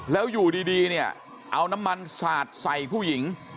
แล้วอยู่ดีเนี่ยเอาน้ำมันสาดใส่ผู้หญิง